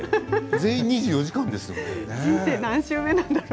全員２４時間ですよね？